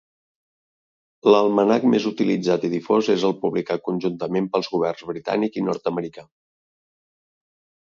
L'almanac més utilitzat i difós és el publicat conjuntament pels governs britànic i nord-americà.